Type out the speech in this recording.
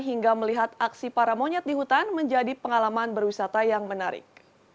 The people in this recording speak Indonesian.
hingga melihat aksi para monyet di hutan menjadi pengalaman berwisata yang menarik